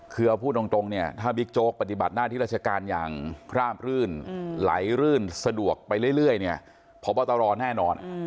คือเอาพูดตรงเนี่ยถ้าบิ๊กโจ๊กปฏิบัติหน้าที่ราชการอย่างคราบรื่นไหลรื่นสะดวกไปเรื่อยเนี่ยพบตรแน่นอน